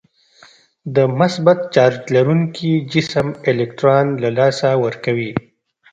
د مثبت چارج لرونکی جسم الکترون له لاسه ورکوي.